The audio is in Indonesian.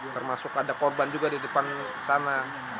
termasuk ada korban juga di depan sana